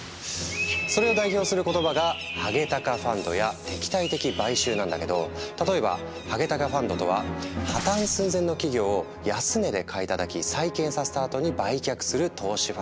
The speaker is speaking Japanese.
それを代表する言葉が「ハゲタカファンド」や「敵対的買収」なんだけど例えばハゲタカファンドとは破綻寸前の企業を安値で買いたたき再建させたあとに売却する投資ファンドの総称。